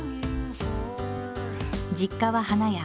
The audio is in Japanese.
実家は花屋。